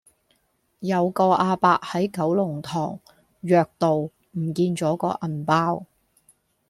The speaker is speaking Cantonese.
有個亞伯喺九龍塘約道唔見左個銀包